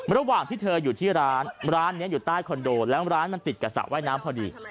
ระหว่างที่เธออยู่ที่ร้านร้านนี้อยู่ใต้คอนโดแล้วร้านมันติดกับสระว่ายน้ำพอดี